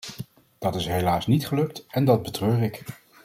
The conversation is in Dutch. Dat is helaas niet gelukt en dat betreur ik.